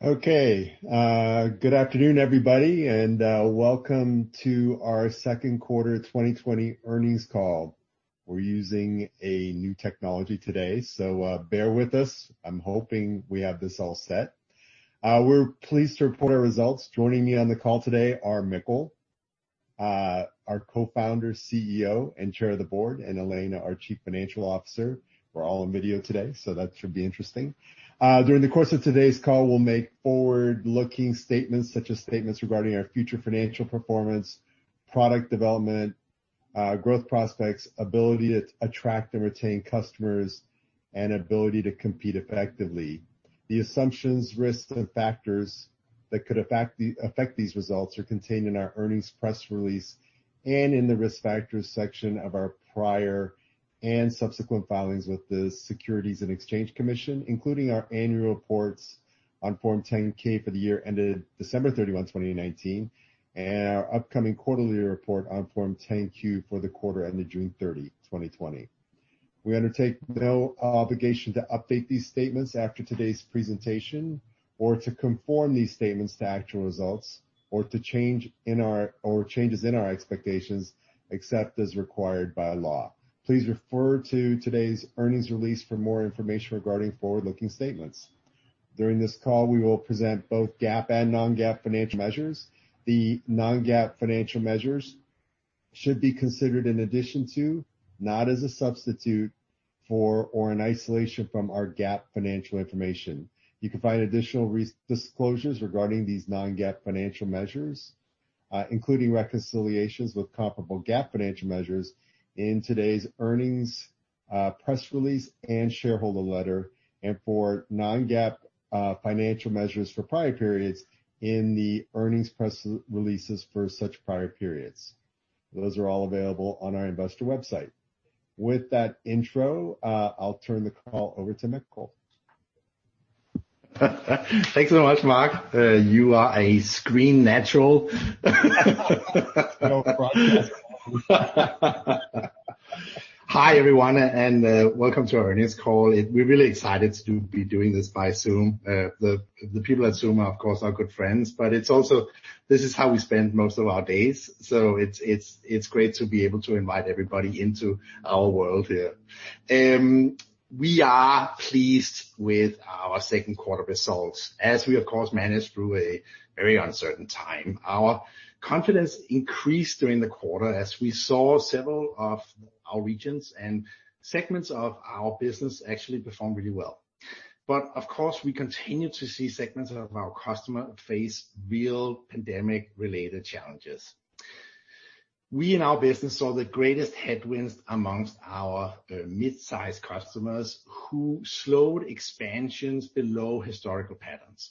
Okay. Good afternoon, everybody, welcome to our second quarter 2020 earnings call. We're using a new technology today, bear with us. I'm hoping we have this all set. We're pleased to report our results. Joining me on the call today are Mikkel, our Co-founder, CEO, and Chair of the Board, and Elena, our Chief Financial Officer. We're all on video today, that should be interesting. During the course of today's call, we'll make forward-looking statements such as statements regarding our future financial performance, product development, growth prospects, ability to attract and retain customers, and ability to compete effectively. The assumptions, risks, and factors that could affect these results are contained in our earnings press release and in the Risk Factors section of our prior and subsequent filings with the Securities and Exchange Commission, including our annual reports on Form 10-K for the year ended December 31, 2019, and our upcoming quarterly report on Form 10-Q for the quarter ended June 30, 2020. We undertake no obligation to update these statements after today's presentation or to conform these statements to actual results or to changes in our expectations, except as required by law. Please refer to today's earnings release for more information regarding forward-looking statements. During this call, we will present both GAAP and non-GAAP financial measures. The non-GAAP financial measures should be considered in addition to, not as a substitute for or in isolation from our GAAP financial information. You can find additional disclosures regarding these non-GAAP financial measures, including reconciliations with comparable GAAP financial measures, in today's earnings press release and shareholder letter, and for non-GAAP financial measures for prior periods in the earnings press releases for such prior periods. Those are all available on our investor website. With that intro, I'll turn the call over to Mikkel. Thanks so much, Marc. You are a screen natural. No front camera. Hi, everyone, welcome to our earnings call. We're really excited to be doing this by Zoom. The people at Zoom are, of course, our good friends, but it's also this is how we spend most of our days, so it's great to be able to invite everybody into our world here. We are pleased with our second quarter results as we, of course, managed through a very uncertain time. Our confidence increased during the quarter as we saw several of our regions and segments of our business actually perform really well. Of course, we continue to see segments of our customer face real pandemic-related challenges. We, in our business, saw the greatest headwinds amongst our midsize customers who slowed expansions below historical patterns.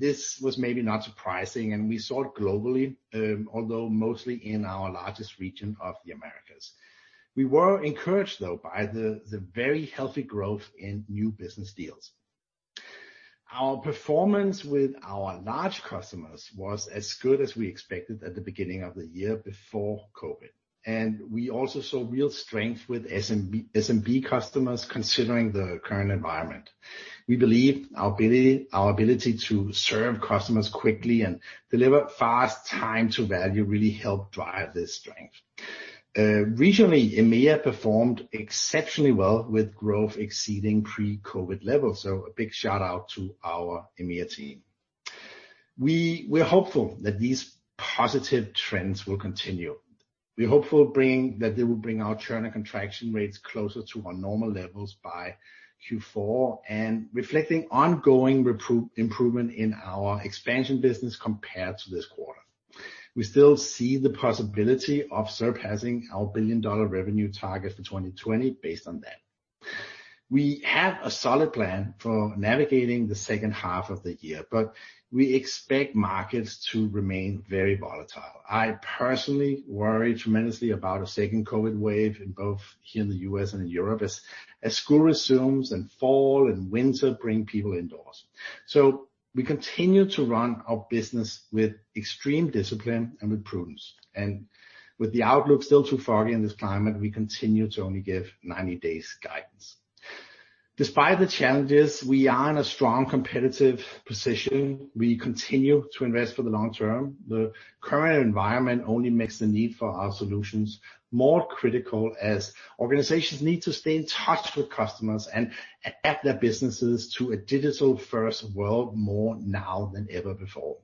This was maybe not surprising, and we saw it globally, although mostly in our largest region of the Americas. We were encouraged, though, by the very healthy growth in new business deals. Our performance with our large customers was as good as we expected at the beginning of the year before COVID, and we also saw real strength with SMB customers considering the current environment. We believe our ability to serve customers quickly and deliver fast time to value really helped drive this strength. Regionally, EMEA performed exceptionally well with growth exceeding pre-COVID levels. A big shout-out to our EMEA team. We're hopeful that these positive trends will continue. We're hopeful that they will bring our churn and contraction rates closer to our normal levels by Q4 and reflecting ongoing improvement in our expansion business compared to this quarter. We still see the possibility of surpassing our billion-dollar revenue target for 2020 based on that. We have a solid plan for navigating the second half of the year, but we expect markets to remain very volatile. I personally worry tremendously about a second COVID-19 wave in both here in the U.S. and in Europe as school resumes and fall and winter bring people indoors. We continue to run our business with extreme discipline and with prudence. With the outlook still too foggy in this climate, we continue to only give 90 days guidance. Despite the challenges, we are in a strong competitive position. We continue to invest for the long term. The current environment only makes the need for our solutions more critical as organizations need to stay in touch with customers and adapt their businesses to a digital-first world more now than ever before.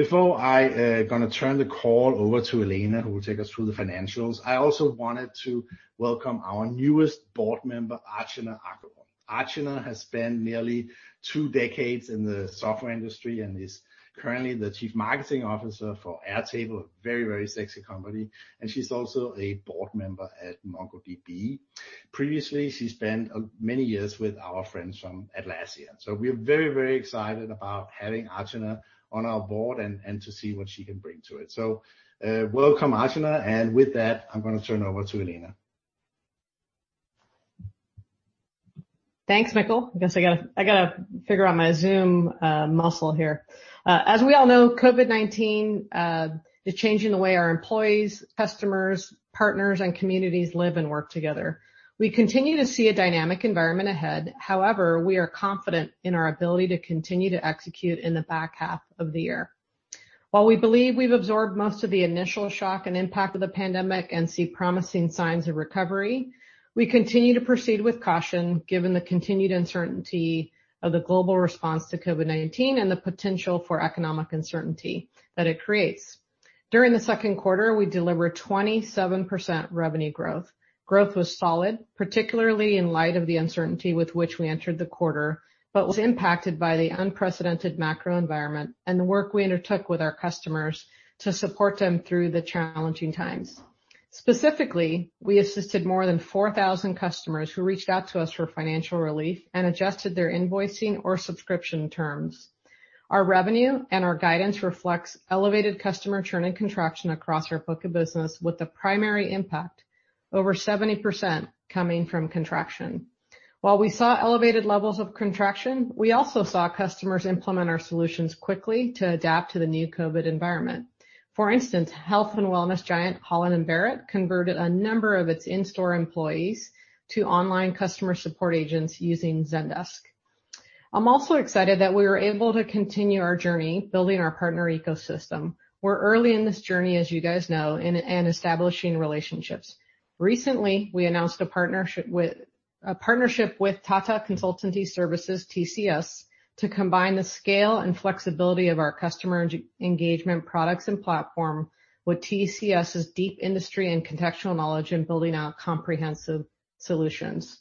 Before I going to turn the call over to Elena, who will take us through the financials, I also wanted to welcome our newest board member, Archana Agrawal. Archana has spent nearly 2 decades in the software industry and is currently the chief marketing officer for Airtable, very, very sexy company, and she's also a board member at MongoDB. Previously, she spent many years with our friends from Atlassian. We are very, very excited about having Archana on our board and to see what she can bring to it. Welcome, Archana. With that, I'm going to turn over to Elena. Thanks, Mikkel. I guess I got to figure out my Zoom muscle here. As we all know, COVID-19 is changing the way our employees, customers, partners, and communities live and work together. We continue to see a dynamic environment ahead. However, we are confident in our ability to continue to execute in the back half of the year. While we believe we've absorbed most of the initial shock and impact of the pandemic and see promising signs of recovery, we continue to proceed with caution given the continued uncertainty of the global response to COVID-19 and the potential for economic uncertainty that it creates. During the second quarter, we delivered 27% revenue growth. Growth was solid, particularly in light of the uncertainty with which we entered the quarter, but was impacted by the unprecedented macro environment and the work we undertook with our customers to support them through the challenging times. Specifically, we assisted more than 4,000 customers who reached out to us for financial relief and adjusted their invoicing or subscription terms. Our revenue and our guidance reflects elevated customer churn and contraction across our book of business, with the primary impact over 70% coming from contraction. While we saw elevated levels of contraction, we also saw customers implement our solutions quickly to adapt to the new COVID environment. For instance, health and wellness giant Holland & Barrett converted a number of its in-store employees to online customer support agents using Zendesk. I'm also excited that we were able to continue our journey building our partner ecosystem. We're early in this journey, as you guys know, and establishing relationships. Recently, we announced a partnership with Tata Consultancy Services, TCS, to combine the scale and flexibility of our customer engagement products and platform with TCS's deep industry and contextual knowledge in building out comprehensive solutions.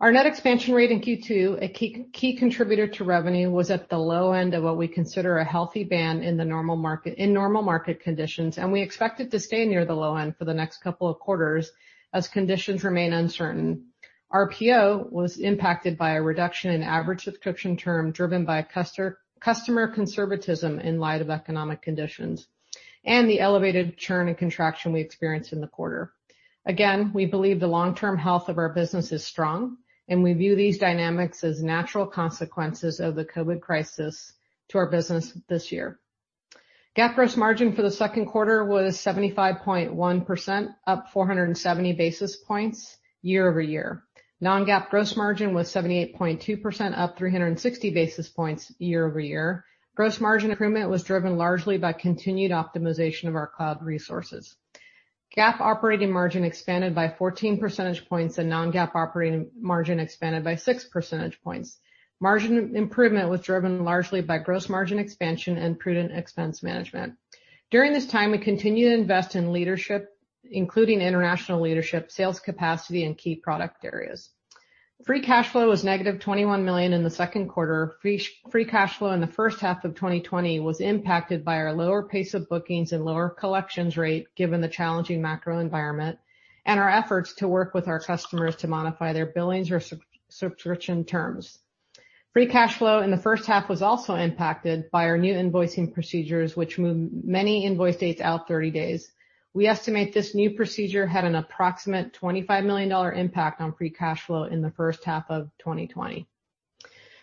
Our net expansion rate in Q2, a key contributor to revenue, was at the low end of what we consider a healthy band in normal market conditions, and we expect it to stay near the low end for the next couple of quarters as conditions remain uncertain. RPO was impacted by a reduction in average subscription term driven by customer conservatism in light of economic conditions, and the elevated churn and contraction we experienced in the quarter. Again, we believe the long-term health of our business is strong, and we view these dynamics as natural consequences of the COVID crisis to our business this year. GAAP gross margin for the second quarter was 75.1%, up 470 basis points year-over-year. Non-GAAP gross margin was 78.2%, up 360 basis points year-over-year. Gross margin improvement was driven largely by continued optimization of our cloud resources. GAAP operating margin expanded by 14 percentage points. Non-GAAP operating margin expanded by six percentage points. Margin improvement was driven largely by gross margin expansion and prudent expense management. During this time, we continued to invest in leadership, including international leadership, sales capacity, and key product areas. Free cash flow was negative $21 million in the second quarter. Free cash flow in the first half of 2020 was impacted by our lower pace of bookings and lower collections rate, given the challenging macro environment and our efforts to work with our customers to modify their billings or subscription terms. Free cash flow in the first half was also impacted by our new invoicing procedures, which moved many invoice dates out 30 days. We estimate this new procedure had an approximate $25 million impact on free cash flow in the first half of 2020.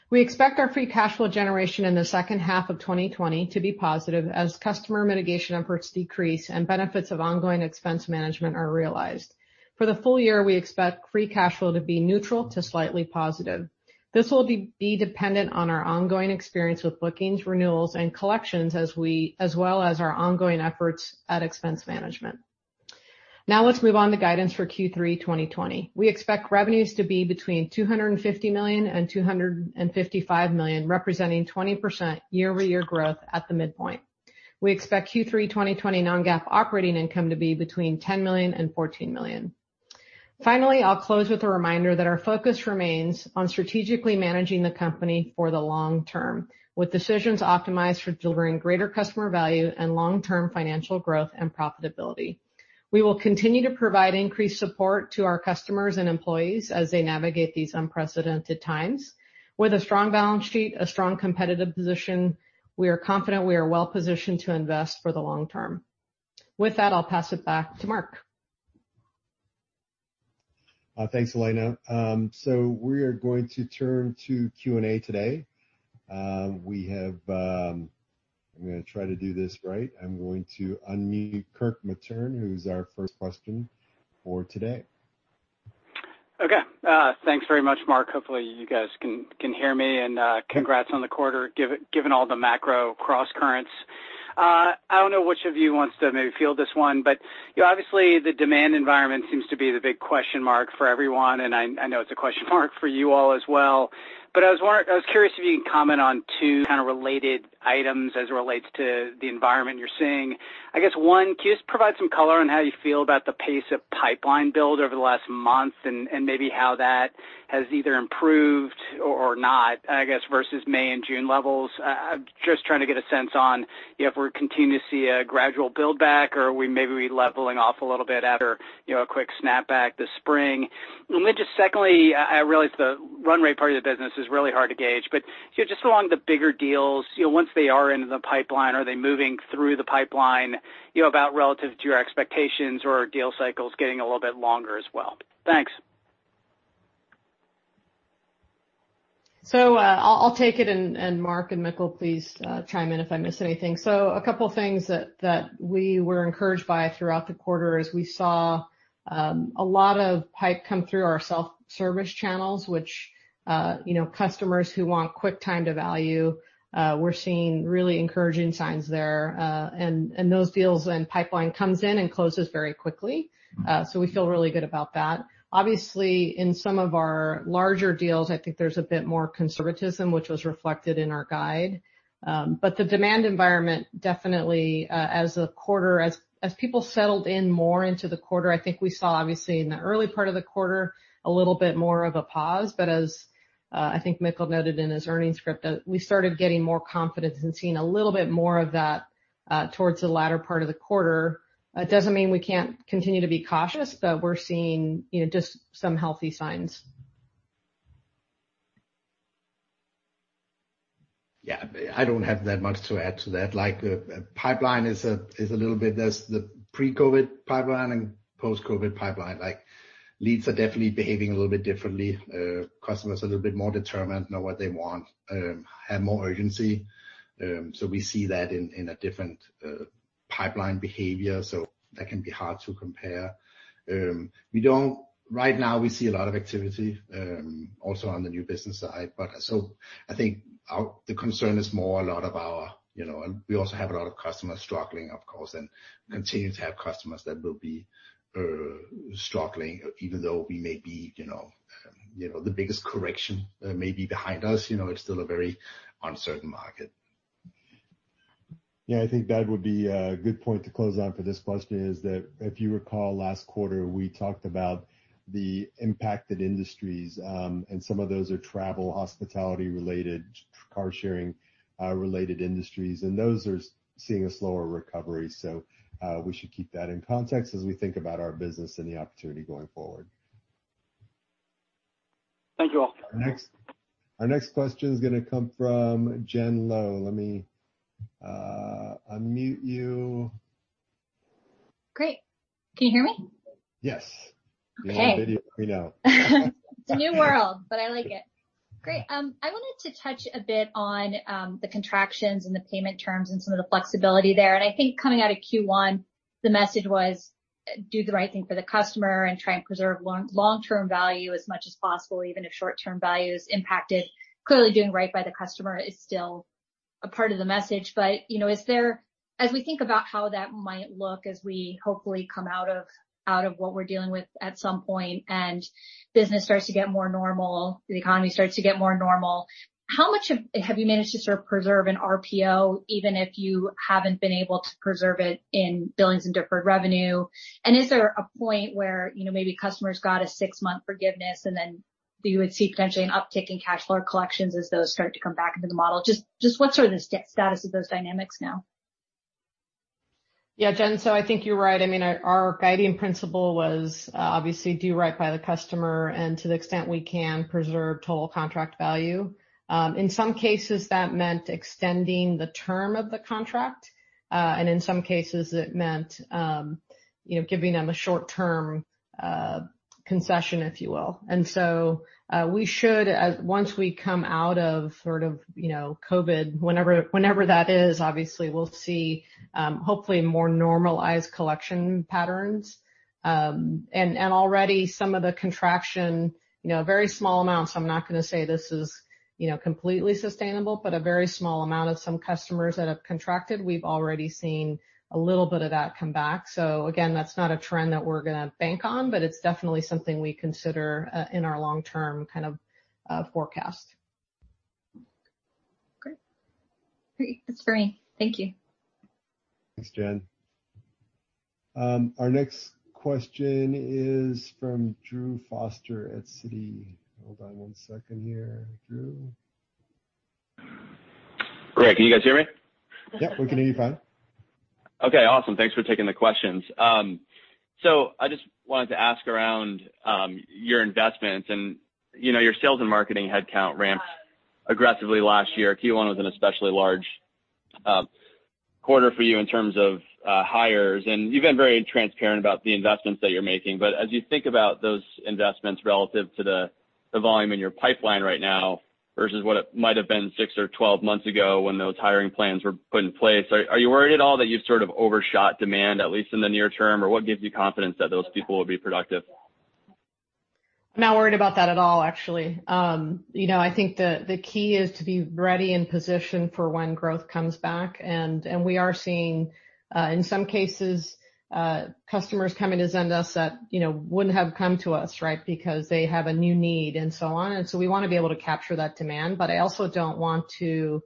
We expect our free cash flow generation in the second half of 2020 to be positive as customer mitigation efforts decrease and benefits of ongoing expense management are realized. For the full year, we expect free cash flow to be neutral to slightly positive. This will be dependent on our ongoing experience with bookings, renewals, and collections, as well as our ongoing efforts at expense management. Now let's move on to guidance for Q3 2020. We expect revenues to be between $250 million and $255 million, representing 20% year-over-year growth at the midpoint. We expect Q3 2020 non-GAAP operating income to be between $10 million and $14 million. Finally, I'll close with a reminder that our focus remains on strategically managing the company for the long term, with decisions optimized for delivering greater customer value and long-term financial growth and profitability. We will continue to provide increased support to our customers and employees as they navigate these unprecedented times. With a strong balance sheet, a strong competitive position, we are confident we are well-positioned to invest for the long term. With that, I'll pass it back to Marc. Thanks, Elena. We are going to turn to Q&A today. I'm going to try to do this right. I'm going to unmute Kirk Materne, who's our first question for today. Okay. Thanks very much, Marc. Hopefully, you guys can hear me. Congrats on the quarter given all the macro crosscurrents. I don't know which of you wants to maybe field this one. Obviously, the demand environment seems to be the big question mark for everyone. I know it's a question mark for you all as well. I was curious if you can comment on two kind of related items as it relates to the environment you're seeing. I guess one, can you just provide some color on how you feel about the pace of pipeline build over the last month? Maybe how that has either improved or not, I guess, versus May and June levels? I'm just trying to get a sense on if we're continuing to see a gradual build-back or are we maybe leveling off a little bit after a quick snap-back this spring. Secondly, I realize the run rate part of the business is really hard to gauge, but just along the bigger deals, once they are into the pipeline, are they moving through the pipeline about relative to your expectations or are deal cycles getting a little bit longer as well? Thanks. I'll take it, and Marc and Mikkel, please chime in if I miss anything. A couple things that we were encouraged by throughout the quarter is we saw a lot of pipe come through our self-service channels, which customers who want quick time to value, we're seeing really encouraging signs there. Those deals and pipeline comes in and closes very quickly. We feel really good about that. Obviously, in some of our larger deals, I think there's a bit more conservatism, which was reflected in our guide. The demand environment, definitely as people settled in more into the quarter, I think we saw, obviously in the early part of the quarter, a little bit more of a pause, but as I think Mikkel noted in his earnings script, we started getting more confidence and seeing a little bit more of that towards the latter part of the quarter. It doesn't mean we can't continue to be cautious, but we're seeing just some healthy signs. Yeah, I don't have that much to add to that. Pipeline There's the pre-COVID pipeline and post-COVID pipeline. Leads are definitely behaving a little bit differently. Customers are a little bit more determined, know what they want, have more urgency. We see that in a different pipeline behavior. That can be hard to compare. Right now, we see a lot of activity also on the new business side, but I think the concern is more We also have a lot of customers struggling, of course, and continue to have customers that will be struggling, even though the biggest correction may be behind us, it's still a very uncertain market. I think that would be a good point to close on for this question is that if you recall last quarter, we talked about the impacted industries, and some of those are travel, hospitality-related, car-sharing-related industries, and those are seeing a slower recovery. We should keep that in context as we think about our business and the opportunity going forward. Thank you all. Our next question is going to come from Jen Lo. Let me unmute you. Great. Can you hear me? Yes. Okay. If you have video, let me know. It's a new world, but I like it. Great. I wanted to touch a bit on the contractions and the payment terms and some of the flexibility there. I think coming out of Q1, the message was do the right thing for the customer and try and preserve long-term value as much as possible, even if short-term value is impacted. Clearly, doing right by the customer is still a part of the message. As we think about how that might look as we hopefully come out of what we're dealing with at some point, and business starts to get more normal, the economy starts to get more normal, how much have you managed to sort of preserve in RPO, even if you haven't been able to preserve it in billings and deferred revenue? Is there a point where maybe customers got a six-month forgiveness, and then you would see potentially an uptick in cash flow or collections as those start to come back into the model? Just what's sort of the status of those dynamics now? Yeah, Jen, I think you're right. Our guiding principle was obviously do right by the customer, and to the extent we can, preserve total contract value. In some cases, that meant extending the term of the contract. In some cases, it meant giving them a short-term concession, if you will. We should, once we come out of COVID, whenever that is, obviously, we'll see hopefully more normalized collection patterns. Already some of the contraction, very small amounts, so I'm not going to say this is completely sustainable, but a very small amount of some customers that have contracted, we've already seen a little bit of that come back. Again, that's not a trend that we're going to bank on, but it's definitely something we consider in our long-term kind of forecast. Great. That's great. Thank you. Thanks, Jen. Our next question is from Drew Foster at Citi. Hold on one second here, Drew. Great. Can you guys hear me? Yeah. We can hear you fine. Okay, awesome. Thanks for taking the questions. I just wanted to ask around your investments and your sales and marketing headcount ramped aggressively last year. Q1 was an especially large quarter for you in terms of hires, and you've been very transparent about the investments that you're making. As you think about those investments relative to the volume in your pipeline right now versus what it might have been six or 12 months ago when those hiring plans were put in place, are you worried at all that you've sort of overshot demand, at least in the near term? What gives you confidence that those people will be productive? I'm not worried about that at all, actually. I think the key is to be ready in position for when growth comes back, and we are seeing, in some cases, customers coming to Zendesk that wouldn't have come to us because they have a new need and so on. We want to be able to capture that demand, but I also don't want to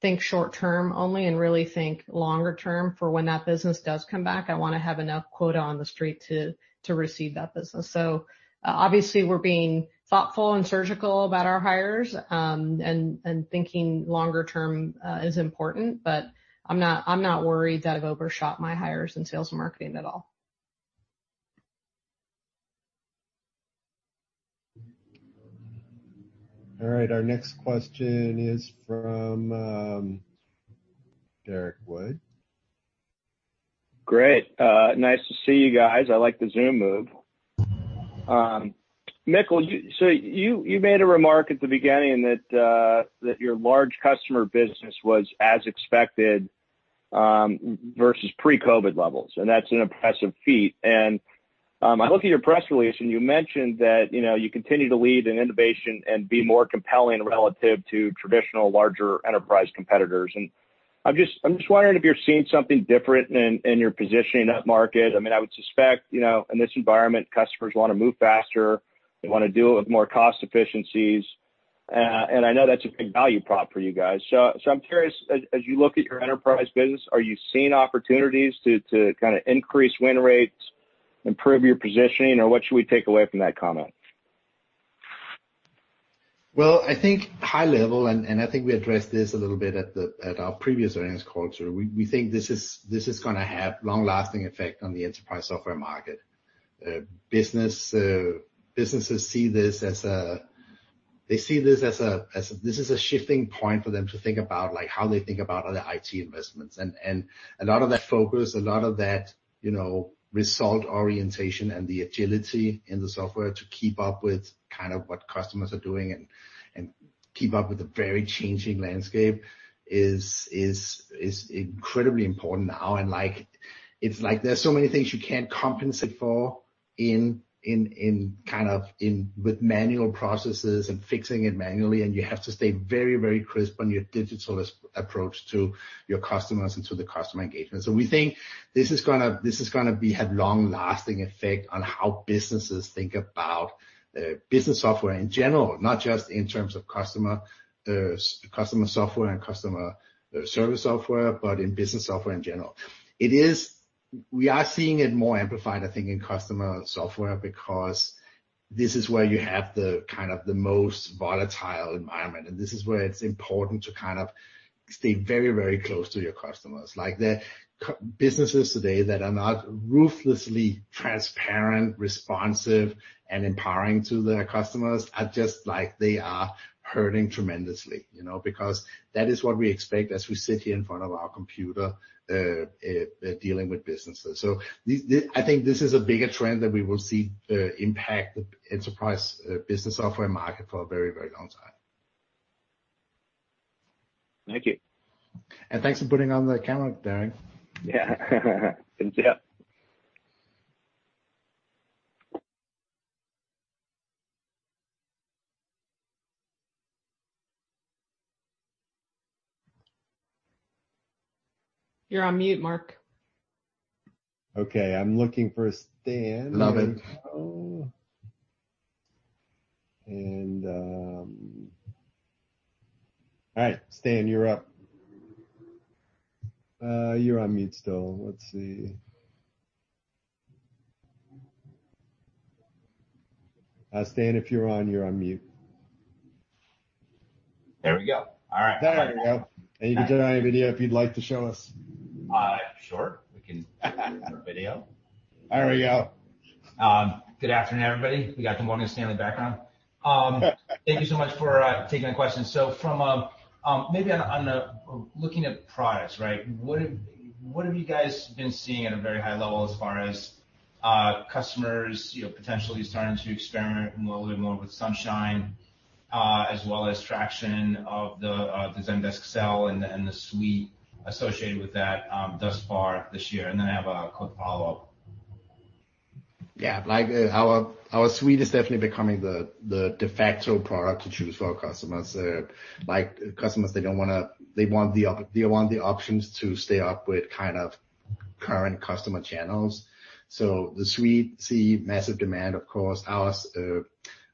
think short-term only and really think longer term for when that business does come back. I want to have enough quota on the street to receive that business. Obviously we're being thoughtful and surgical about our hires, and thinking longer term is important, but I'm not worried that I've overshot my hires in sales and marketing at all. All right. Our next question is from Derrick Wood. Great. Nice to see you guys. I like the Zoom move, Mikkel. You made a remark at the beginning that your large customer business was as expected, versus pre-COVID levels, and that's an impressive feat. I look at your press release. You mentioned that you continue to lead in innovation and be more compelling relative to traditional larger enterprise competitors. I'm just wondering if you're seeing something different in your positioning in that market. I would suspect, in this environment, customers want to move faster, they want to do it with more cost efficiencies. I know that's a big value prop for you guys. I'm curious, as you look at your enterprise business, are you seeing opportunities to increase win rates, improve your positioning, or what should we take away from that comment? I think high level, and I think we addressed this a little bit at our previous earnings call too. We think this is going to have long lasting effect on the enterprise software market. Businesses see this as a shifting point for them to think about how they think about other IT investments. A lot of that focus, a lot of that result orientation and the agility in the software to keep up with what customers are doing and keep up with the very changing landscape is incredibly important now. It's like there's so many things you can't compensate for with manual processes and fixing it manually, and you have to stay very crisp on your digital approach to your customers and to the customer engagement. We think this is going to have long lasting effect on how businesses think about business software in general, not just in terms of customer software and customer service software, but in business software in general. We are seeing it more amplified, I think, in customer software, because this is where you have the most volatile environment, and this is where it's important to stay very close to your customers. The businesses today that are not ruthlessly transparent, responsive, and empowering to their customers are just like, they are hurting tremendously. Because that is what we expect as we sit here in front of our computer, dealing with businesses. I think this is a bigger trend that we will see impact the enterprise business software market for a very long time. Thank you. Thanks for putting on the camera, Darren. Yeah. Thank you. You're on mute, Mark. Okay, I'm looking for Stan. Love it. All right, Stan, you're up. You're on mute still. Let's see. Stan, if you're on, you're on mute. There we go. All right. There we go. You can turn on your video if you'd like to show us. Sure. We can turn on video. There we go. Good afternoon, everybody. We got the Morgan Stanley background. Thank you so much for taking the questions. Maybe on looking at products, right. What have you guys been seeing at a very high level as far as customers potentially starting to experiment a little bit more with Sunshine, as well as traction of the Zendesk Sell and the Suite associated with that thus far this year? I have a quick follow-up. Yeah. Our Suite is definitely becoming the de facto product to choose for our customers. Customers, they want the options to stay up with current customer channels. The Suite see massive demand, of course.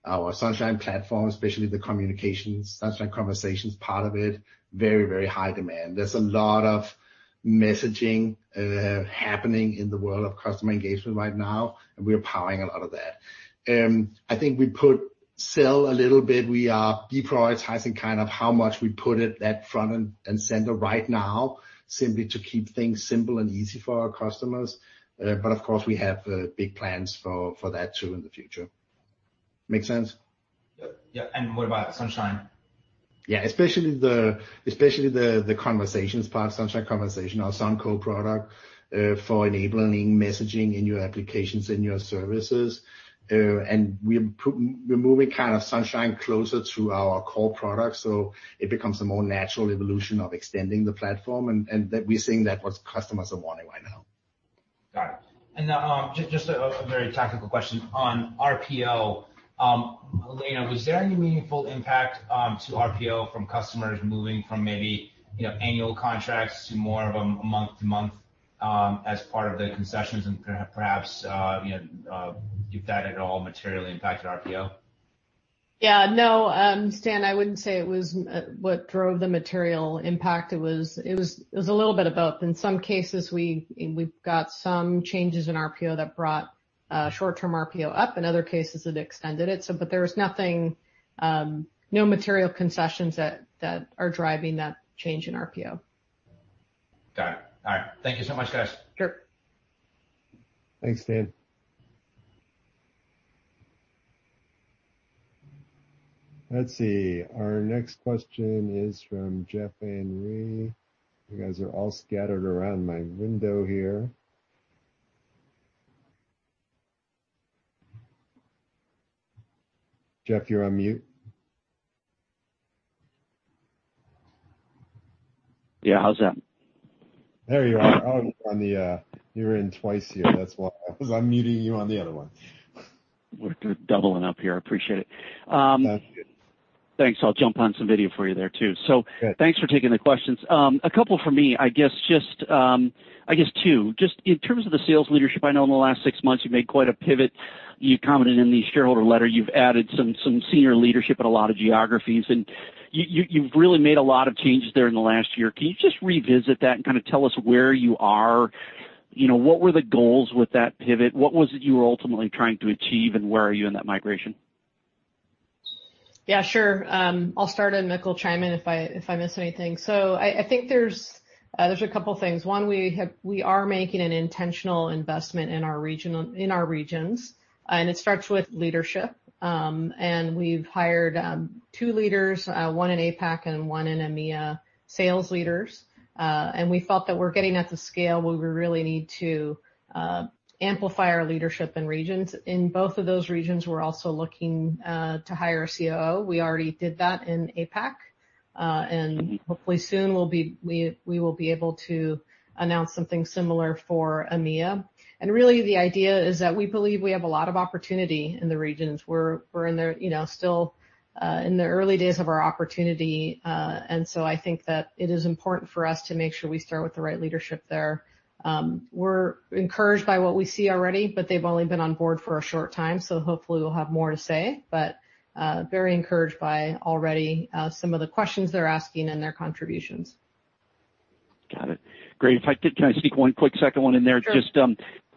Our Sunshine platform, especially the Sunshine Conversations part of it, very high demand. There's a lot of messaging happening in the world of customer engagement right now, and we are powering a lot of that. I think we put Sell a little bit, we are deprioritizing how much we put it that front and center right now, simply to keep things simple and easy for our customers. Of course, we have big plans for that, too, in the future. Make sense? Yep. What about Sunshine? Yeah. Especially the Conversations part, Sunshine Conversations, our SunCo product, for enabling messaging in your applications, in your services. We're moving Sunshine closer to our core product, so it becomes a more natural evolution of extending the platform, and that we're seeing that what customers are wanting right now. Got it. Now, just a very tactical question on RPO. Elena, was there any meaningful impact to RPO from customers moving from maybe annual contracts to more of a month to month as part of the concessions and perhaps, if that at all materially impacted RPO? Yeah. No, Stan, I wouldn't say it was what drove the material impact. It was a little bit of both. In some cases, we've got some changes in RPO that brought short-term RPO up. In other cases, it extended it. There was nothing, no material concessions that are driving that change in RPO. Got it. All right. Thank you so much, guys. Sure. Thanks, Stan. Let's see. Our next question is from Jeff Van Rhee. You guys are all scattered around my window here. Jeff, you're on mute. Yeah. How's that? There you are. Oh, you're in twice here. That's why. Because I'm muting you on the other one. We're doubling up here. Appreciate it. No, that's good. Thanks. I'll jump on some video for you there, too. Good. Thanks for taking the questions. A couple from me, I guess two. Just in terms of the sales leadership, I know in the last six months you've made quite a pivot. You commented in the shareholder letter you've added some senior leadership in a lot of geographies, and you've really made a lot of changes there in the last year. Can you just revisit that and kind of tell us where you are? What were the goals with that pivot? What was it you were ultimately trying to achieve, and where are you in that migration? Yeah, sure. I'll start. Mikkel chime in if I miss anything. I think there's a couple things. One, we are making an intentional investment in our regions. It starts with leadership. We've hired 2 leaders, one in APAC and one in EMEA, sales leaders. In both of those regions, we're also looking to hire a COO. We already did that in APAC. Hopefully soon we will be able to announce something similar for EMEA. Really, the idea is that we believe we have a lot of opportunity in the regions. We're still in the early days of our opportunity. I think that it is important for us to make sure we start with the right leadership there. We're encouraged by what we see already. They've only been on board for a short time. Hopefully we'll have more to say. Very encouraged by already some of the questions they're asking and their contributions. Got it. Great. Can I sneak one quick second one in there? Sure. Just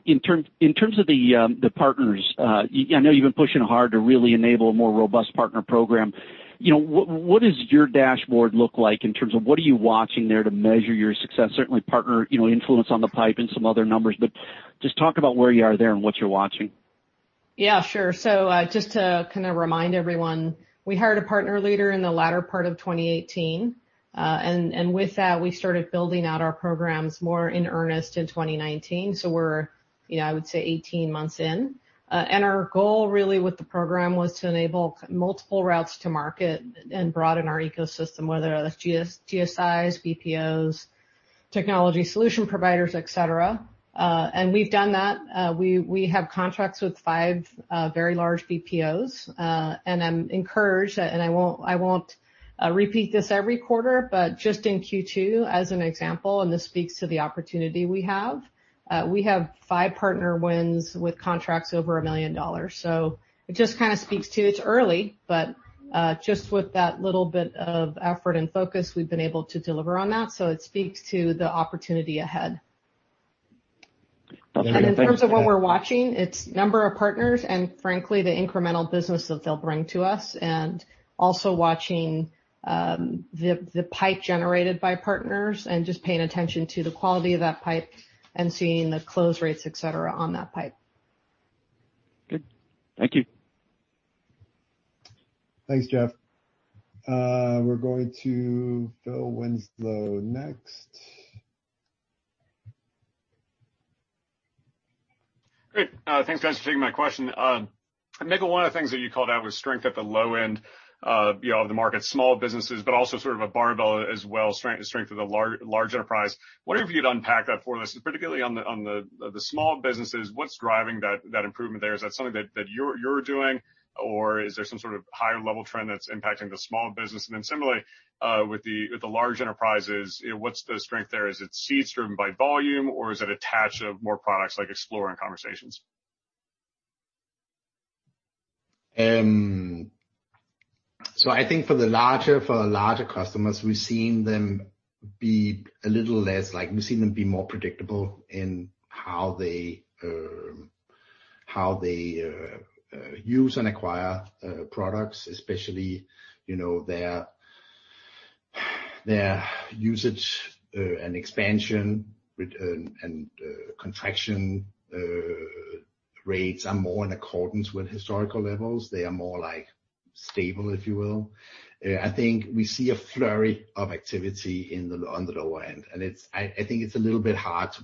in terms of the partners, I know you've been pushing hard to really enable a more robust partner program. What does your dashboard look like in terms of what are you watching there to measure your success? Certainly partner influence on the pipe and some other numbers, but just talk about where you are there and what you're watching. Yeah, sure. Just to kind of remind everyone, we hired a partner leader in the latter part of 2018. With that, we started building out our programs more in earnest in 2019. We're, I would say 18 months in. Our goal really with the program was to enable multiple routes to market and broaden our ecosystem, whether that's GSIs, BPOs, technology solution providers, et cetera. We've done that. We have contracts with five very large BPOs. I'm encouraged, and I won't repeat this every quarter, but just in Q2 as an example, and this speaks to the opportunity we have. We have five partner wins with contracts over $1 million. It just kind of speaks to, it's early, but just with that little bit of effort and focus, we've been able to deliver on that. It speaks to the opportunity ahead. That's great. Thank you for that. In terms of what we're watching, it's number of partners, and frankly, the incremental business that they'll bring to us. Also watching the pipe generated by partners and just paying attention to the quality of that pipe and seeing the close rates, et cetera, on that pipe. Good. Thank you. Thanks, Jeff. We're going to Phil Winslow next. Great. Thanks guys for taking my question. Mikkel, one of the things that you called out was strength at the low end of the market, small businesses, but also sort of a barbell as well, strength of the large enterprise. Wondering if you'd unpack that for us, particularly on the small businesses, what's driving that improvement there? Is that something that you're doing, or is there some sort of higher-level trend that's impacting the small business? Similarly, with the large enterprises, what's the strength there? Is it seats driven by volume, or is it attach of more products like Explore and Conversations? For the larger customers, we've seen them be more predictable in how they use and acquire products, especially their usage and expansion and contraction rates are more in accordance with historical levels. They are more stable, if you will. We see a flurry of activity on the lower end, and it's a little bit hard to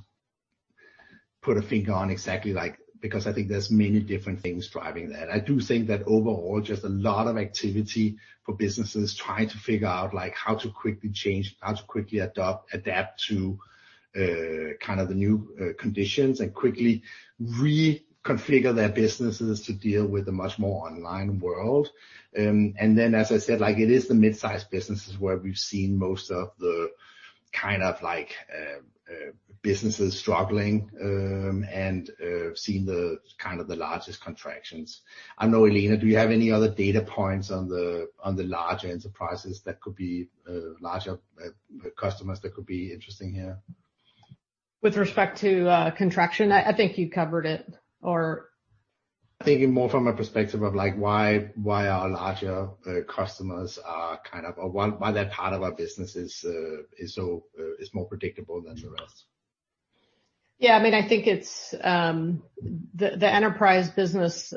put a finger on exactly because there's many different things driving that. Overall, just a lot of activity for businesses trying to figure out how to quickly change, how to quickly adapt to kind of the new conditions, and quickly reconfigure their businesses to deal with a much more online world. As I said, it is the mid-size businesses where we've seen most of the kind of businesses struggling and seen the largest contractions. I don't know, Elena, do you have any other data points on the large enterprises that could be larger customers that could be interesting here? With respect to contraction? I think you covered it. Thinking more from a perspective of why our larger customers are kind of, or why that part of our business is more predictable than the rest. Yeah, I think it's the enterprise business,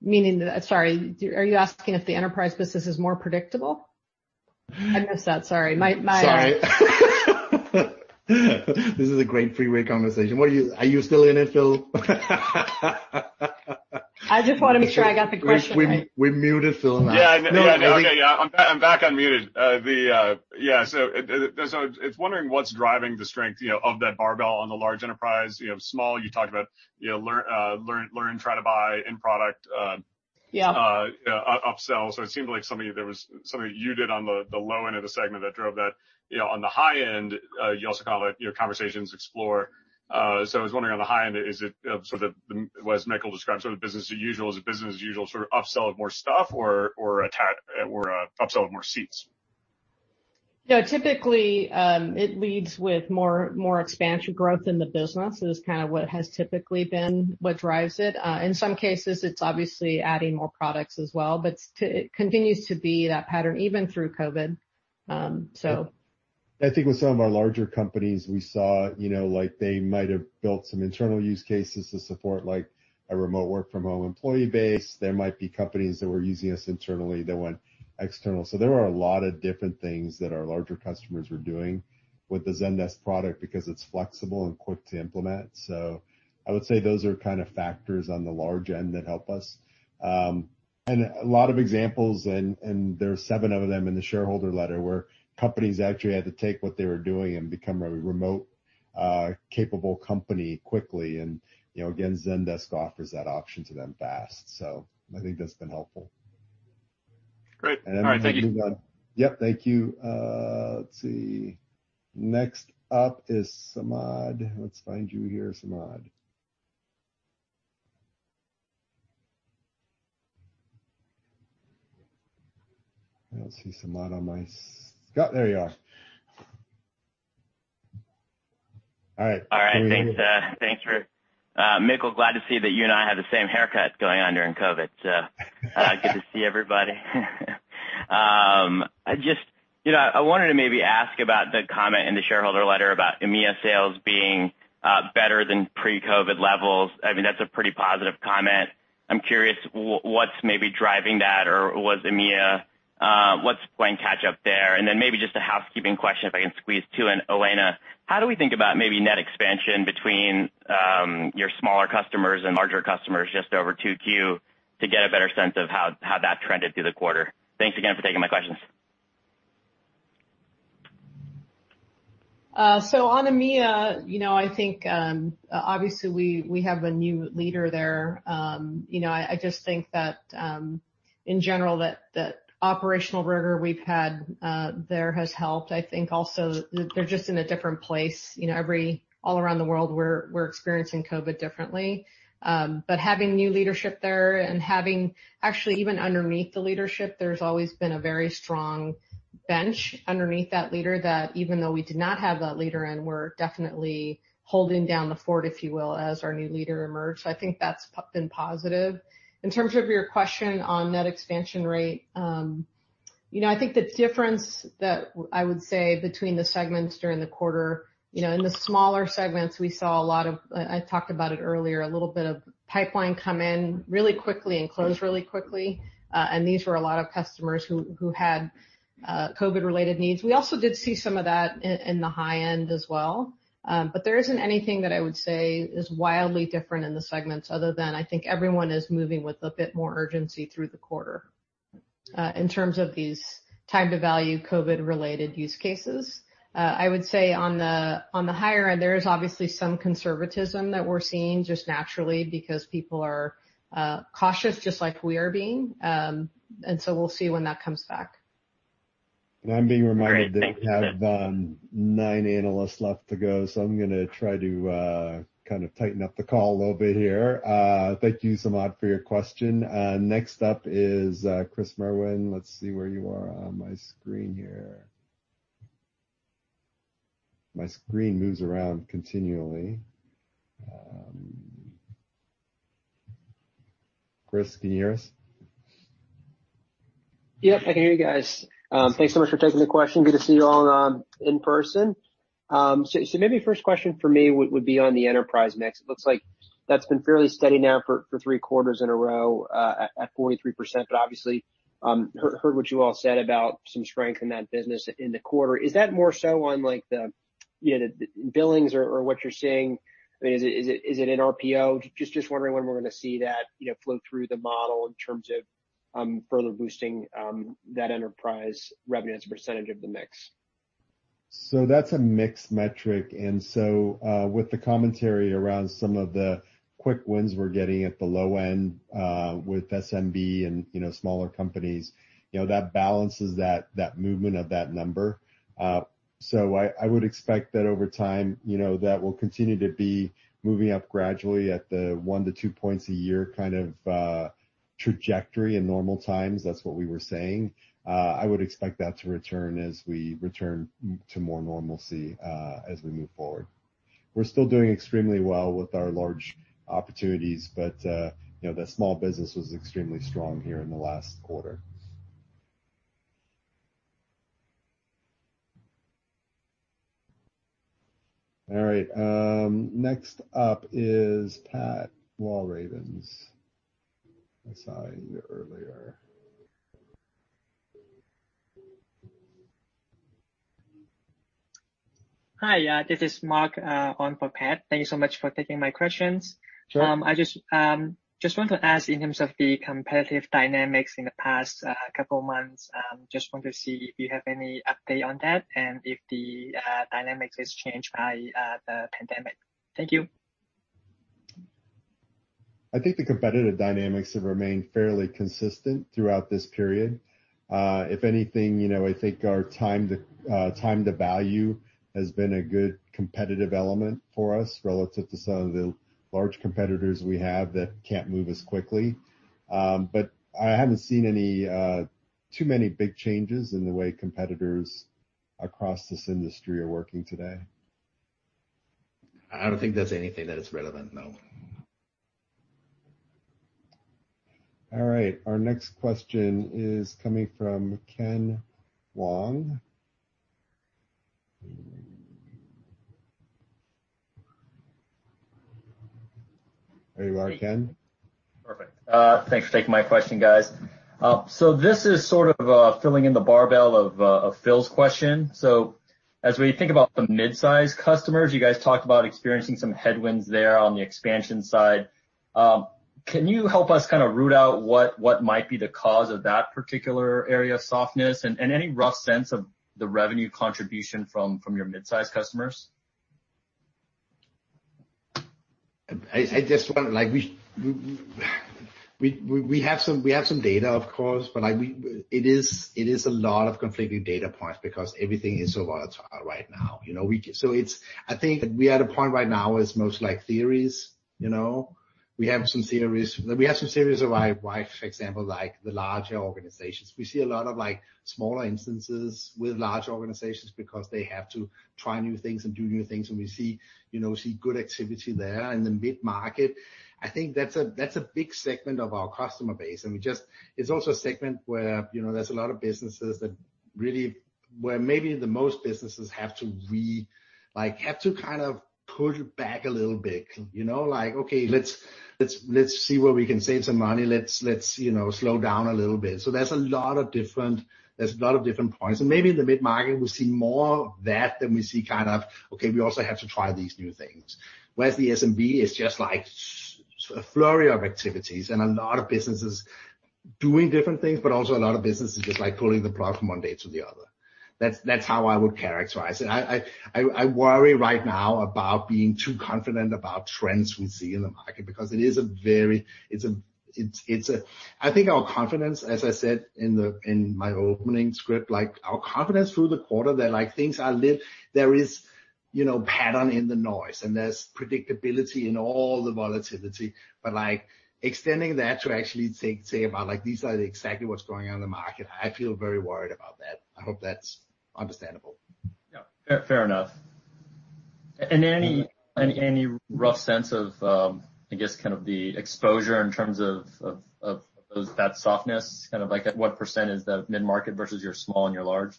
meaning Sorry, are you asking if the enterprise business is more predictable? I missed that. Sorry. Sorry. This is a great three-way conversation. Are you still in it, Phil? I just want to make sure I got the question right. We muted Phil now. Yeah. No, yeah. Okay, yeah. I'm back unmuted. Yeah, I'm wondering what's driving the strength of that barbell on the large enterprise. Small, you talked about learn, try to buy, end product. Yeah upsell. It seemed like something that you did on the low end of the segment that drove that. On the high end, you also call it your conversations Explore. I was wondering on the high end, is it what Mikkel described, sort of business as usual? Is it business as usual sort of upsell of more stuff or upsell of more seats? Yeah, typically, it leads with more expansion growth in the business. That's kind of what has typically been what drives it. In some cases, it's obviously adding more products as well, but it continues to be that pattern even through COVID. I think with some of our larger companies, we saw they might have built some internal use cases to support a remote work-from-home employee base. There might be companies that were using us internally that went external. There were a lot of different things that our larger customers were doing with the Zendesk product because it's flexible and quick to implement. I would say those are kind of factors on the large end that help us. A lot of examples, and there are seven of them in the shareholder letter, where companies actually had to take what they were doing and become a remote-capable company quickly. Again, Zendesk offers that option to them fast. I think that's been helpful. Great. All right, thank you. We can move on. Yep. Thank you. Let's see. Next up is Samad. Let's find you here, Samad. Got it. There you are. All right. Go ahead. All right. Thanks. Mikkel, glad to see that you and I have the same haircut going on during COVID. Good to see everybody. I wanted to maybe ask about the comment in the shareholder letter about EMEA sales being better than pre-COVID levels. That's a pretty positive comment. I'm curious what's maybe driving that or what's playing catch up there? Then maybe just a housekeeping question, if I can squeeze two in. Elena, how do we think about maybe net expansion between your smaller customers and larger customers just over 2Q to get a better sense of how that trended through the quarter? Thanks again for taking my questions. On EMEA, I think, obviously, we have a new leader there. I just think that, in general, that operational rigor we've had there has helped. I think also they're just in a different place. All around the world, we're experiencing COVID differently. Having new leadership there and actually, even underneath the leadership, there's always been a very strong bench underneath that leader that even though we did not have that leader, and we're definitely holding down the fort, if you will, as our new leader emerged. I think that's been positive. In terms of your question on net expansion rate, I think the difference that I would say between the segments during the quarter, in the smaller segments, we saw a lot of, I talked about it earlier, a little bit of pipeline come in really quickly and close really quickly. These were a lot of customers who had COVID-related needs. We also did see some of that in the high end as well. There isn't anything that I would say is wildly different in the segments other than I think everyone is moving with a bit more urgency through the quarter. In terms of these time-to-value COVID-related use cases, I would say on the higher end, there is obviously some conservatism that we're seeing just naturally because people are cautious, just like we are being. We'll see when that comes back. I'm being reminded that we have nine analysts left to go. I'm going to try to kind of tighten up the call a little bit here. Thank you, Samad, for your question. Next up is Chris Merwin. Let's see where you are on my screen here. My screen moves around continually. Chris, can you hear us? Yep, I can hear you guys. Thanks so much for taking the question. Good to see you all in person. Maybe first question for me would be on the enterprise mix. It looks like that's been fairly steady now for three quarters in a row at 43%, but obviously, heard what you all said about some strength in that business in the quarter. Is that more so on the billings or what you're seeing? Is it in RPO? Just wondering when we're going to see that flow through the model in terms of further boosting that enterprise revenue as a percentage of the mix. That's a mixed metric. With the commentary around some of the quick wins we're getting at the low end with SMB and smaller companies, that balances that movement of that number. I would expect that over time, that will continue to be moving up gradually at the one to two points a year kind of trajectory in normal times. That's what we were saying. I would expect that to return as we return to more normalcy as we move forward. We're still doing extremely well with our large opportunities, but the small business was extremely strong here in the last quarter. All right. Next up is Pat Walravens. I saw you earlier. Hi, this is Marc on for Pat. Thank you so much for taking my questions. Sure. I just want to ask in terms of the competitive dynamics in the past couple of months, just want to see if you have any update on that and if the dynamics is changed by the pandemic. Thank you. I think the competitive dynamics have remained fairly consistent throughout this period. If anything, I think our time to value has been a good competitive element for us relative to some of the large competitors we have that can't move as quickly. I haven't seen too many big changes in the way competitors across this industry are working today. I don't think there's anything that is relevant, no. All right. Our next question is coming from Ken Wong. There you are, Ken. Perfect. Thanks for taking my question, guys. This is sort of filling in the barbell of Phil's question. As we think about the mid-size customers, you guys talked about experiencing some headwinds there on the expansion side. Can you help us kind of root out what might be the cause of that particular area of softness and any rough sense of the revenue contribution from your mid-size customers? We have some data, of course, but it is a lot of conflicting data points because everything is so volatile right now. I think we are at a point right now where it's most like theories. We have some theories of why, for example, like the larger organizations. We see a lot of smaller instances with large organizations because they have to try new things and do new things, and we see good activity there. In the mid-market, I think that's a big segment of our customer base, and it's also a segment where there's a lot of businesses that really, where maybe the most businesses have to kind of pull back a little bit. Like, okay, let's see where we can save some money. Let's slow down a little bit. There's a lot of different points. Maybe in the mid-market, we see more of that than we see kind of, okay, we also have to try these new things. Whereas the SMB is just like a flurry of activities and a lot of businesses doing different things, but also a lot of businesses just like pulling the plug from one day to the other. That's how I would characterize it. I worry right now about being too confident about trends we see in the market because I think our confidence, as I said in my opening script, like our confidence through the quarter that things are lit, there is pattern in the noise, and there's predictability in all the volatility. Extending that to actually say about these are exactly what's going on in the market, I feel very worried about that. I hope that's understandable. Yeah. Fair enough. Any rough sense of, I guess, kind of the exposure in terms of that softness, kind of like at what % is the mid-market versus your small and your large?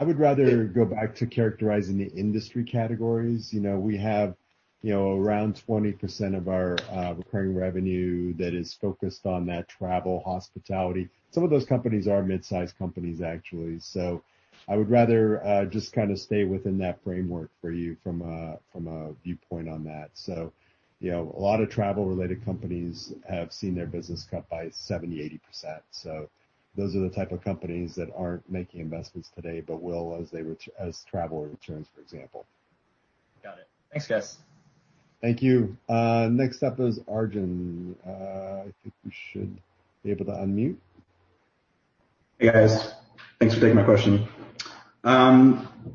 I would rather go back to characterizing the industry categories. We have around 20% of our recurring revenue that is focused on that travel, hospitality. Some of those companies are mid-size companies, actually. I would rather just kind of stay within that framework for you from a viewpoint on that. A lot of travel-related companies have seen their business cut by 70%, 80%. Those are the type of companies that aren't making investments today, but will as travel returns, for example. Got it. Thanks, guys. Thank you. Next up is Arjun. I think you should be able to unmute. Hey, guys. Thanks for taking my question.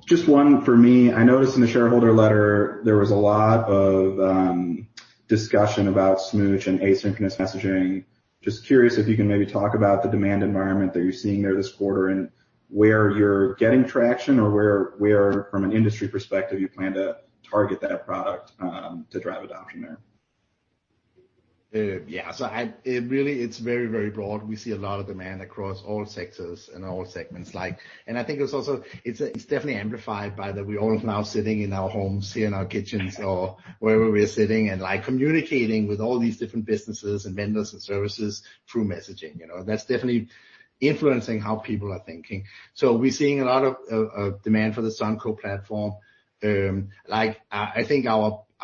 Just one for me. I noticed in the shareholder letter there was a lot of discussion about Smooch and asynchronous messaging. Just curious if you can maybe talk about the demand environment that you're seeing there this quarter and where you're getting traction or where from an industry perspective you plan to target that product to drive adoption there. Yeah. Really, it's very broad. We see a lot of demand across all sectors and all segments. I think it's definitely amplified by that we all are now sitting in our homes, sitting in our kitchens or wherever we're sitting and communicating with all these different businesses and vendors and services through messaging. That's definitely influencing how people are thinking. We're seeing a lot of demand for the Zendesk platform. I think our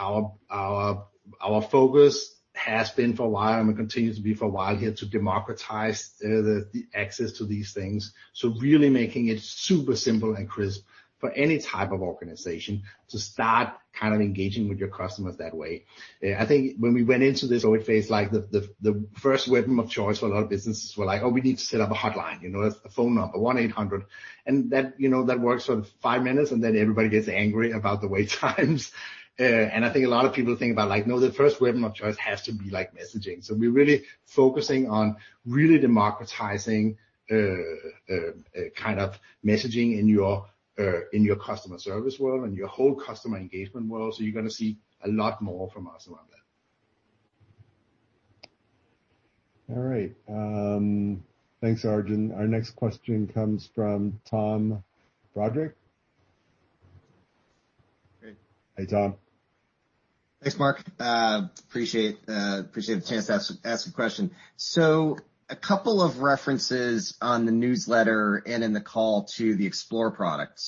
focus has been for a while, and will continue to be for a while here, to democratize the access to these things. Really making it super simple and crisp for any type of organization to start kind of engaging with your customers that way. I think when we went into this COVID-19 phase, the first weapon of choice for a lot of businesses were like, "Oh, we need to set up a hotline, a phone number, 1-800." That works for five minutes, and then everybody gets angry about the wait times. I think a lot of people think about, like, no, the first weapon of choice has to be messaging. We're really focusing on really democratizing kind of messaging in your customer service world and your whole customer engagement world. You're going to see a lot more from us around that. All right. Thanks, Arjun. Our next question comes from Tom Roderick. Great. Hey, Tom. Thanks, Marc. Appreciate the chance to ask a question. A couple of references on the newsletter and in the call to the Explore product.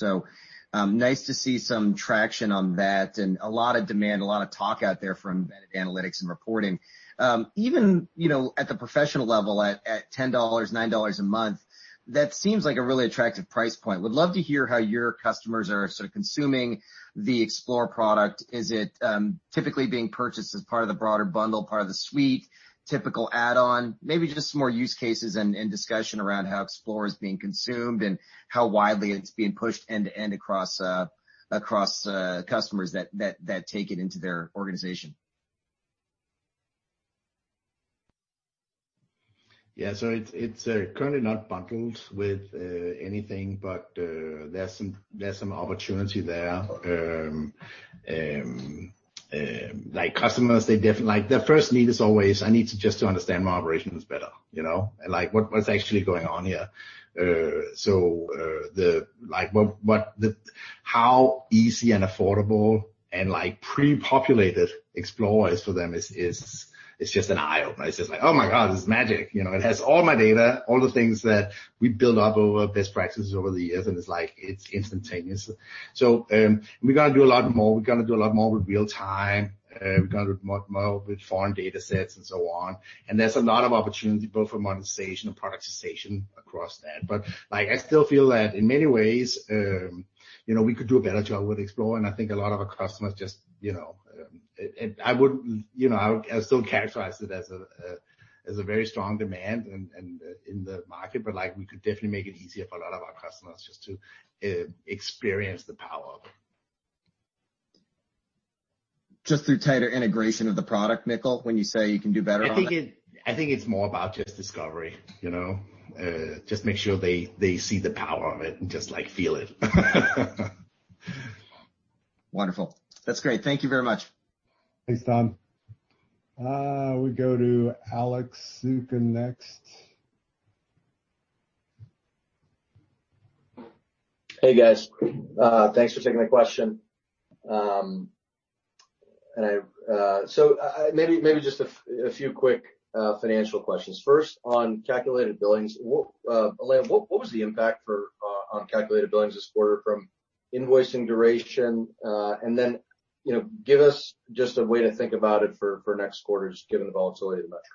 Nice to see some traction on that and a lot of demand, a lot of talk out there from analytics and reporting. Even at the professional level, at $10, $9 a month, that seems like a really attractive price point. Would love to hear how your customers are sort of consuming the Explore product. Is it typically being purchased as part of the broader bundle, part of the Suite, typical add-on? Maybe just some more use cases and discussion around how Explore is being consumed and how widely it's being pushed end-to-end across customers that take it into their organization. Yeah. It's currently not bundled with anything, but there's some opportunity there. Like customers, their first need is always, "I need to just understand my operations better, and what's actually going on here." How easy and affordable and pre-populated Explore is for them is just an eye-opener. It's just like, "Oh my god, this is magic. It has all my data," all the things that we build up over best practices over the years, and it's like it's instantaneous. We're going to do a lot more. We're going to do a lot more with real-time. We're going to do a lot more with foreign datasets and so on. There's a lot of opportunity both for monetization and productization across that. I still feel that in many ways, we could do a better job with Explore. I think a lot of our customers I would still characterize it as a very strong demand in the market. We could definitely make it easier for a lot of our customers just to experience the power of it. Just through tighter integration of the product, Mikkel, when you say you can do better on it? I think it's more about just discovery. Just make sure they see the power of it and just feel it. Wonderful. That's great. Thank you very much. Thanks, Tom. We go to Alex Zukin next. Hey, guys. Thanks for taking my question. Maybe just a few quick financial questions. First, on calculated billings. Elena, what was the impact on calculated billings this quarter from invoicing duration? Give us just a way to think about it for next quarters, given the volatility of the metric.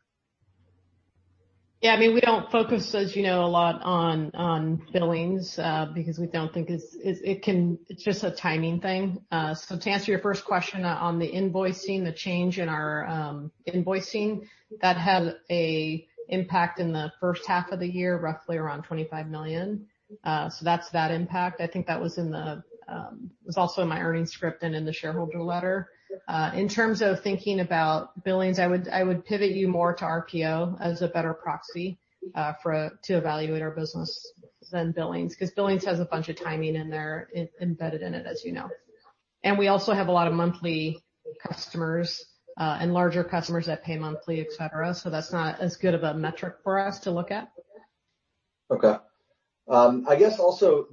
Yeah. We don't focus, as you know, a lot on billings because we don't think it's just a timing thing. To answer your first question on the invoicing, the change in our invoicing, that had a impact in the first half of the year, roughly around $25 million. That's that impact. I think that was also in my earnings script and in the shareholder letter. In terms of thinking about billings, I would pivot you more to RPO as a better proxy to evaluate our business than billings, because billings has a bunch of timing in there, embedded in it, as you know. We also have a lot of monthly customers and larger customers that pay monthly, et cetera, so that's not as good of a metric for us to look at. Okay. I guess also,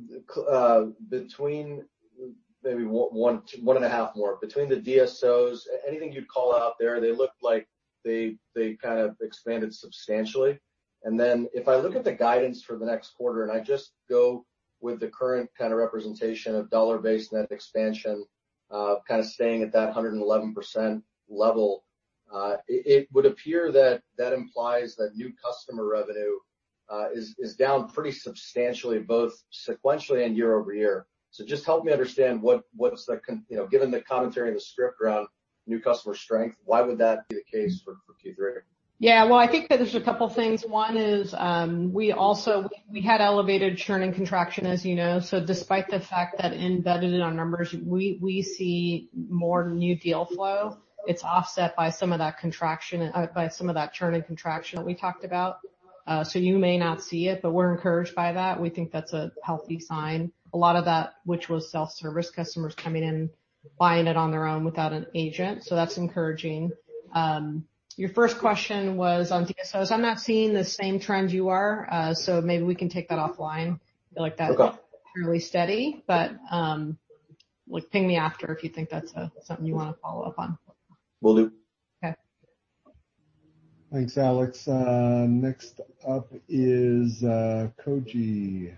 between maybe 1.5 more, between the DSOs, anything you'd call out there? They look like they kind of expanded substantially. If I look at the guidance for the next quarter, and I just go with the current kind of representation of dollar-based net expansion, kind of staying at that 111% level, it would appear that implies that new customer revenue is down pretty substantially, both sequentially and year-over-year. Just help me understand, given the commentary in the script around new customer strength, why would that be the case for Q3? I think that there's a couple things. One is, we had elevated churning contraction, as you know. Despite the fact that embedded in our numbers, we see more new deal flow. It's offset by some of that contraction, by some of that churning contraction that we talked about. You may not see it, but we're encouraged by that. We think that's a healthy sign. A lot of that which was self-service customers coming in, buying it on their own without an agent. That's encouraging. Your first question was on DSOs. I'm not seeing the same trend you are, maybe we can take that offline. Okay. Feel like that's fairly steady, but ping me after if you think that's something you want to follow up on. Will do. Okay. Thanks, Alex. Next up is Koji.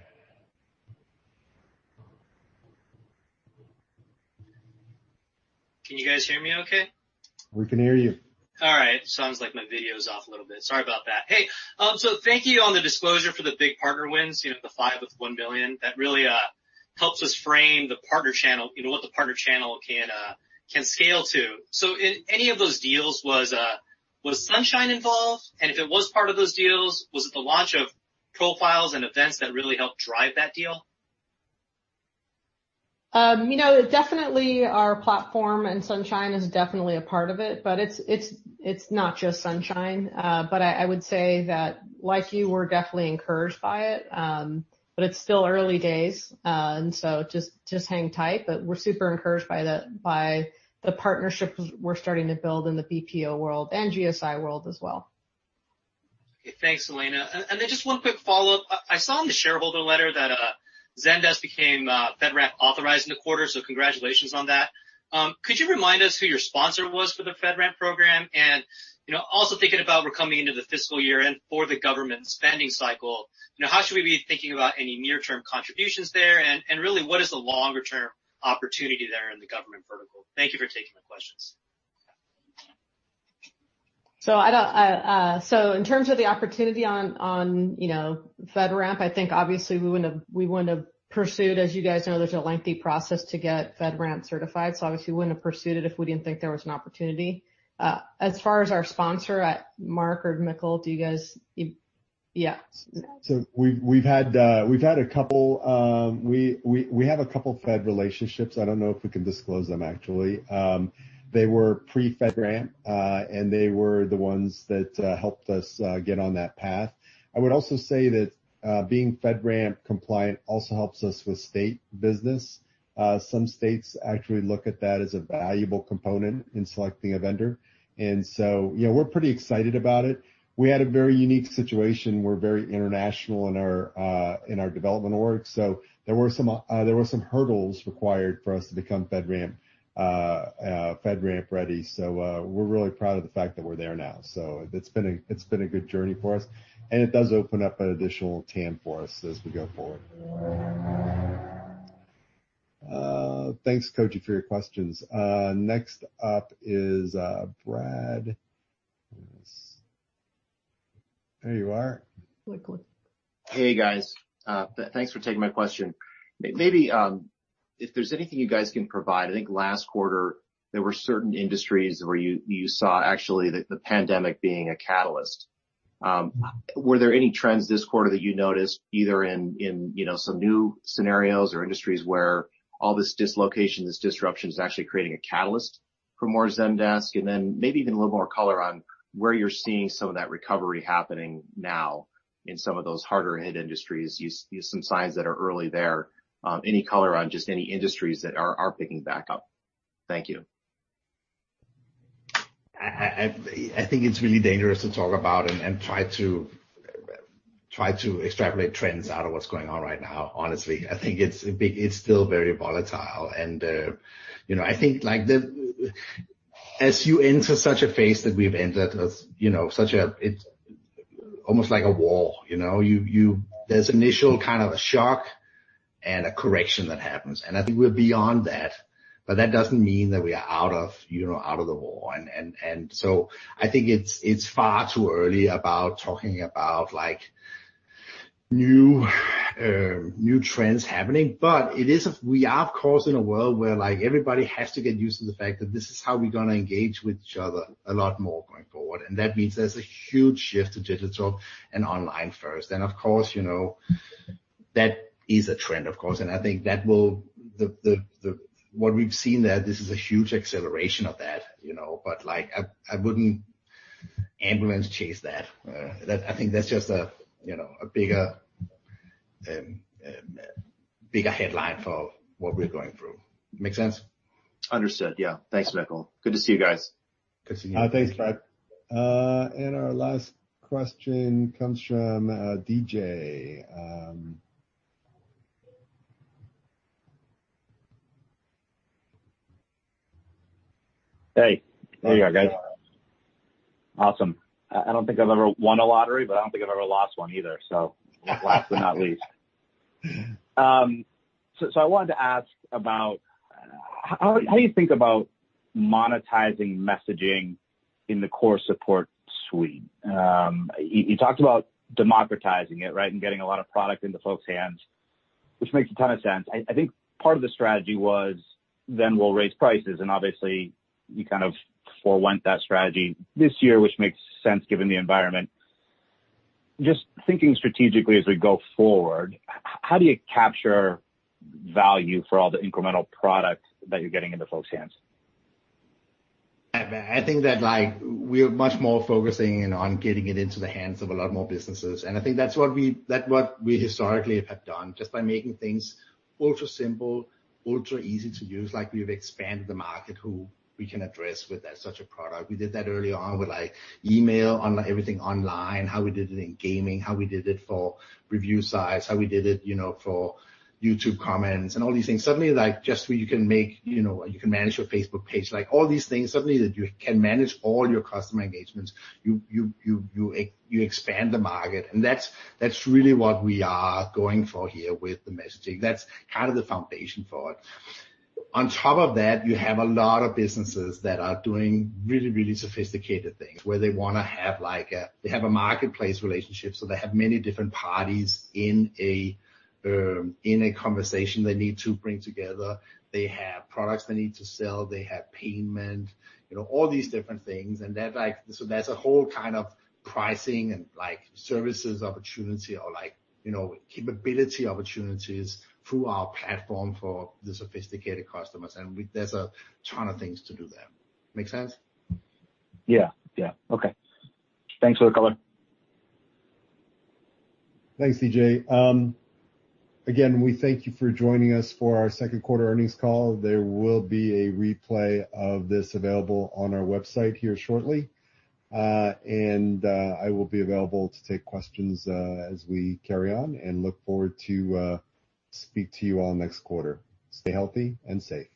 Can you guys hear me okay? We can hear you. All right. Sounds like my video's off a little bit. Sorry about that. Hey, thank you on the disclosure for the big partner wins, the 5 with $1 million. That really helps us frame the partner channel, what the partner channel can scale to. In any of those deals was Sunshine involved? If it was part of those deals, was it the launch of profiles and events that really helped drive that deal? Definitely our platform, Sunshine is definitely a part of it, but it's not just Sunshine. I would say that, like you, we're definitely encouraged by it. It's still early days, just hang tight. We're super encouraged by the partnerships we're starting to build in the BPO world and GSI world as well. Thanks, Elena. Just one quick follow-up. I saw in the shareholder letter that Zendesk became FedRAMP authorized in the quarter, so congratulations on that. Could you remind us who your sponsor was for the FedRAMP program? Thinking about we're coming into the fiscal year-end for the government spending cycle, how should we be thinking about any near-term contributions there? What is the longer-term opportunity there in the government vertical? Thank you for taking the questions. In terms of the opportunity on FedRAMP, I think obviously we wouldn't have pursued, as you guys know, there's a lengthy process to get FedRAMP certified, so obviously we wouldn't have pursued it if we didn't think there was an opportunity. As far as our sponsor, Marc or Mikkel, do you guys? We've had a couple Fed relationships. I don't know if we can disclose them, actually. They were pre-FedRAMP, and they were the ones that helped us get on that path. I would also say that being FedRAMP compliant also helps us with state business. Some states actually look at that as a valuable component in selecting a vendor. We're pretty excited about it. We had a very unique situation. We're very international in our development org. There were some hurdles required for us to become FedRAMP ready. We're really proud of the fact that we're there now. It's been a good journey for us, and it does open up an additional TAM for us as we go forward. Thanks, Koji, for your questions. Next up is Brad. There you are. Blakelee. Hey, guys. Thanks for taking my question. Maybe if there's anything you guys can provide, I think last quarter there were certain industries where you saw actually the pandemic being a catalyst. Were there any trends this quarter that you noticed either in some new scenarios or industries where all this dislocation, this disruption, is actually creating a catalyst for more Zendesk? Maybe even a little more color on where you're seeing some of that recovery happening now in some of those harder hit industries. Some signs that are early there. Any color on just any industries that are picking back up. Thank you. I think it's really dangerous to talk about and try to extrapolate trends out of what's going on right now, honestly. I think it's still very volatile. I think as you enter such a phase that we've entered, it's almost like a war. There's initial kind of a shock and a correction that happens, and I think we're beyond that. That doesn't mean that we are out of the war. I think it's far too early about talking about new trends happening. We are, of course, in a world where everybody has to get used to the fact that this is how we're going to engage with each other a lot more going forward. That means there's a huge shift to digital and online first. Of course, that is a trend, of course. I think what we've seen there, this is a huge acceleration of that. I wouldn't ambulance chase that. I think that's just a bigger headline for what we're going through. Make sense? Understood, yeah. Thanks, Mikkel. Good to see you guys. Good to see you. Thanks, Brad. Our last question comes from DJ. Hey. There you are, guys. Awesome. I don't think I've ever won a lottery, but I don't think I've ever lost one either. Last but not least. I wanted to ask about how you think about monetizing messaging in the core Suite. You talked about democratizing it, right, and getting a lot of product into folks' hands, which makes a ton of sense. I think part of the strategy was then we'll raise prices. Obviously you kind of forewent that strategy this year, which makes sense given the environment. Thinking strategically as we go forward, how do you capture value for all the incremental product that you're getting into folks' hands? I think that we're much more focusing in on getting it into the hands of a lot more businesses, and I think that's what we historically have done just by making things ultra simple, ultra easy to use. We've expanded the market who we can address with such a product. We did that early on with email, everything online, how we did it in gaming, how we did it for review sites, how we did it for YouTube comments and all these things. Suddenly, just where you can manage your Facebook page, all these things, suddenly that you can manage all your customer engagements. You expand the market, and that's really what we are going for here with the messaging. That's kind of the foundation for it. On top of that, you have a lot of businesses that are doing really, really sophisticated things, where they have a marketplace relationship, so they have many different parties in a conversation they need to bring together. They have products they need to sell. They have payment, all these different things. There's a whole kind of pricing and services opportunity or capability opportunities through our platform for the sophisticated customers, and there's a ton of things to do there. Make sense? Yeah. Okay. Thanks for the color. Thanks, DJ. Again, we thank you for joining us for our second quarter earnings call. There will be a replay of this available on our website here shortly. I will be available to take questions as we carry on and look forward to speak to you all next quarter. Stay healthy and safe.